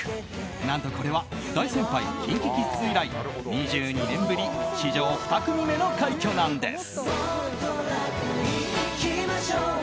何とこれは、大先輩ＫｉｎＫｉＫｉｄｓ以来２２年ぶり史上２組目の快挙なんです。